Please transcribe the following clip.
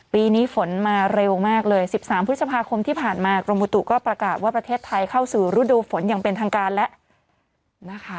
ปีนี้ฝนมาเร็วมากเลย๑๓พฤษภาคมที่ผ่านมากรมบุตุก็ประกาศว่าประเทศไทยเข้าสู่ฤดูฝนอย่างเป็นทางการแล้วนะคะ